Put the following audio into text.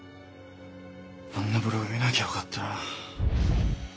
あんなブログ見なきゃよかったな。